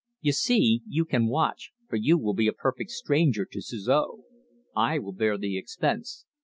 "You see, you can watch for you will be a perfect stranger to Suzor. I will bear the expense.